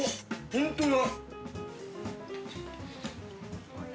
本当だ！